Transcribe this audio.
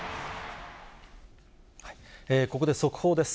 ここで速報です。